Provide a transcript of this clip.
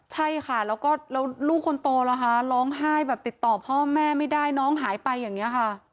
ใช่ค่ะแล้วก็แล้วลูกคนโตล่ะคะร้องไห้แบบติดต่อพ่อแม่ไม่ได้น้องหายไปอย่างนี้ค่ะ